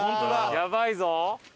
やばいぞ。